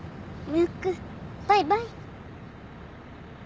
ムックバイバイ。